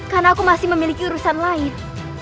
karena aku masih memiliki urusan lain